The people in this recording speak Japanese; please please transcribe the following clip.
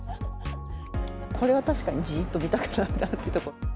これは確かにじーっと見たくなるなと。